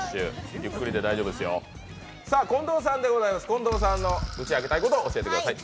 近藤さんの打ち明けたいことを教えてください。